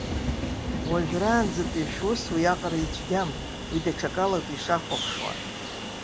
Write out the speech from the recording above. Уажәраанӡатәи шәус уиаҟара ицәгьам, уи даҽакалоуп ишахәаԥшуа.